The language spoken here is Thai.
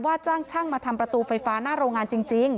จ้างช่างมาทำประตูไฟฟ้าหน้าโรงงานจริง